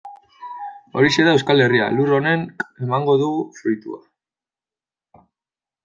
Horixe da Euskal Herria, lur honek emango du fruitua.